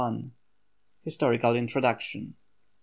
HISTORICAL INTRODUCTION.